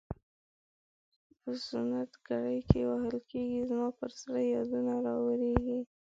په سنت ګرۍ کې وهل کیږي زما پر زړه یادونه راوریږي.